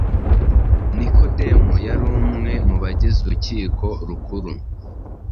Nikodemu yari umwe mu bagize urukiko rukuru